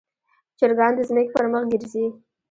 چرګان د ځمکې پر مخ ګرځي.